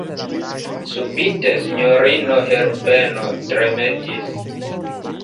Subite sinjorino Herbeno tremetis.